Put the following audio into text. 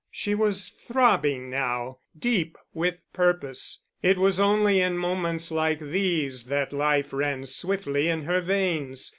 She was throbbing now, deep with purpose. It was only in moments like these that life ran swiftly in her veins.